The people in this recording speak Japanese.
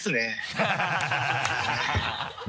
ハハハ